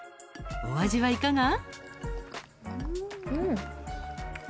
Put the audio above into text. お味は、いかが？